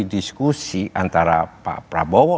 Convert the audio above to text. diskusi antara pak prabowo